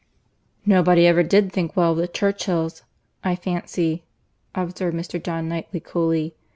"Nobody ever did think well of the Churchills, I fancy," observed Mr. John Knightley coolly.